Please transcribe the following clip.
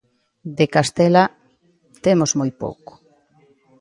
De Castela temos moi pouco.